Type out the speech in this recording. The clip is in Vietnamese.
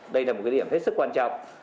đây là một điểm hết sức quan trọng